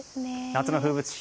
夏の風物詩